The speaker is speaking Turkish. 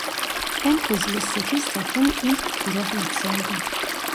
En hızlı sekiz takım ilk tura yükseldi.